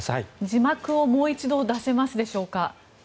字幕をもう一度出せますでしょうか。